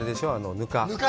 ぬか。